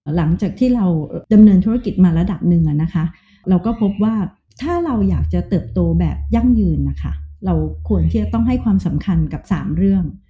หลังจากที่เราดำเนินธุรกิจมาระดับหนึ่งนะคะเราก็พบว่าถ้าเราอยากจะเติบโตแบบยั่งยืนนะคะเราควรที่จะต้องให้ความสำคัญกับ๓เรื่อง